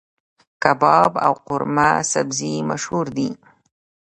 کباب او قورمه سبزي مشهور دي.